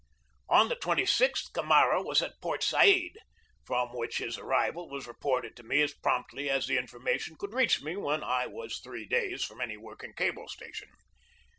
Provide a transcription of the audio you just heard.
On the 26th Camara was at Port Said, from which his arrival was reported to me as promptly as the in formation could reach me when I was three days from any working cable station.